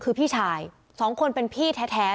คือพี่ชายสองคนเป็นพี่แท้